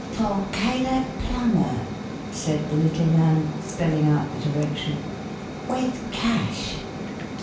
"'For Caleb Plummer,'" said the little man, spelling out the direction. "'With Cash.'